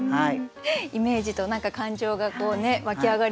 イメージと何か感情がこうね湧き上がりますよね。